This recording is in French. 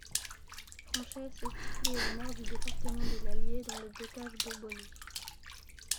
Franchesse est située au nord du département de l'Allier, dans le bocage bourbonnais.